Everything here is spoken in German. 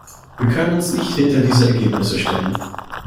Wir können uns nicht hinter diese Ergebnisse stellen.